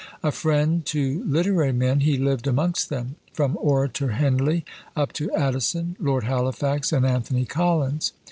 A friend to literary men, he lived amongst them, from "Orator" Henley, up to Addison, Lord Halifax, and Anthony Collins.